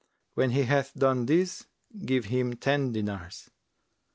When he hath done this, give him ten dinars.'